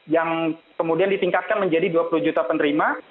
yang kemudian ditingkatkan menjadi dua puluh juta penerima